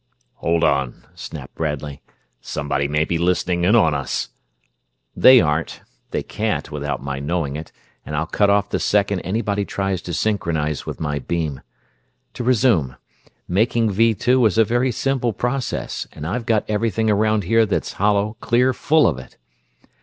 "Hold on!" snapped Bradley. "Somebody may be listening in on us!" "They aren't. They can't, without my knowing it, and I'll cut off the second anybody tries to synchronize with my beam. To resume making Vee Two is a very simple process, and I've got everything around here that's hollow clear full of it...."